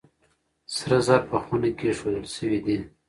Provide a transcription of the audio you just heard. سره زر په خونه کې ايښودل شوي دي.